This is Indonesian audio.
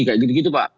kayak gitu gitu pak